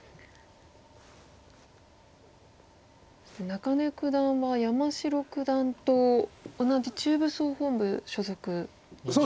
中根九段は山城九段と同じ中部総本部所属ですよね。